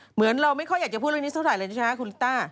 เหมือนเราไม่ค่อยอยากจะพูดเรื่องนี้เท่าไหร่เลยใช่ไหมคุณลิต้า